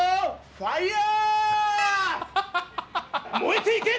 ファイアー！